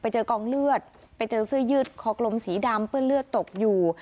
เจอกองเลือดไปเจอเสื้อยืดคอกลมสีดำเปื้อนเลือดตกอยู่